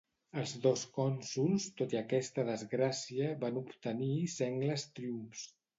Els dos cònsols, tot i aquesta desgràcia, van obtenir sengles triomfs.